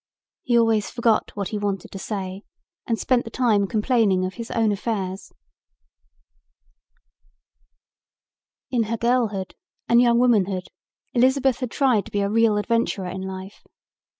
He always forgot what he wanted to say and spent the time complaining of his own affairs. In her girlhood and young womanhood Elizabeth had tried to be a real adventurer in life.